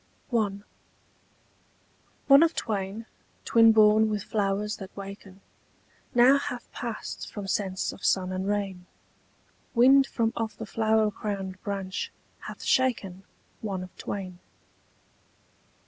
I. ONE of twain, twin born with flowers that waken, Now hath passed from sense of sun and rain: Wind from off the flower crowned branch hath shaken One of twain.